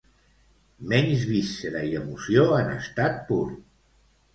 Menys víscera i emoció en estat pur.